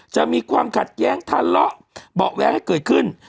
จะมีความขัดแย้งทะเลาะเบาะแว้งให้เกิดขึ้น